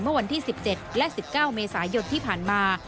เมื่อวันที่๑๗และ๑๙เมษายนที่ผ่านมา